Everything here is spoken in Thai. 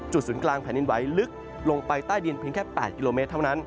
ศูนย์กลางแผ่นดินไหวลึกลงไปใต้ดินเพียงแค่๘กิโลเมตรเท่านั้น